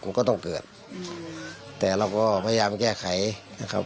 มันก็ต้องเกิดแต่เราก็พยายามแก้ไขนะครับ